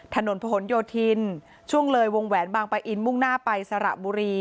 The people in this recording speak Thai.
ถนนผนโยธินช่วงเลยวงแหวนบางปะอินมุ่งหน้าไปสระบุรี